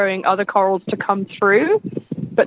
yang berkembang lambat mencapai